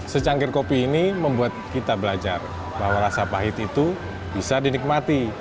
secangkir kopi ini membuat kita belajar bahwa rasa pahit itu bisa dinikmati